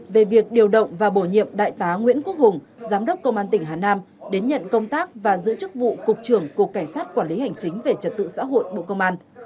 về việc điều động và bổ nhiệm đại tá nguyễn quốc hùng giám đốc công an tỉnh hà nam đến nhận công tác và giữ chức vụ cục trưởng cục cảnh sát quản lý hành chính về trật tự xã hội bộ công an